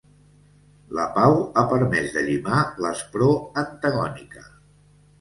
La pau ha permès de llimar l’aspror antagònica.